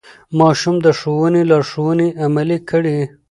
ماشوم د ښوونکي لارښوونې عملي کړې